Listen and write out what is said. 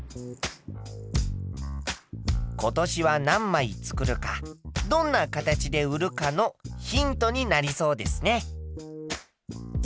今年は何枚作るかどんな形で売るかのヒントになりそうですね。